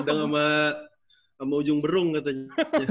kadang sama ujung berung katanya